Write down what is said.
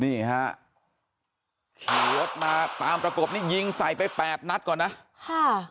นี่ฮะขี่รถมาตามประกบนี่ยิงใส่ไปแปดนัดก่อนนะค่ะ